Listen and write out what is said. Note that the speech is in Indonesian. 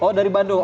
oh dari bandung